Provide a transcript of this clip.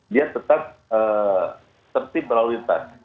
dia tetap tertib berlalu lintas